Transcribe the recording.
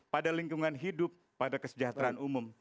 pada lingkungan hidup pada kesejahteraan umum